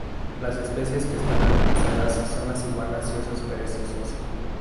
Las especies que están amenazadas son las iguanas y osos perezosos.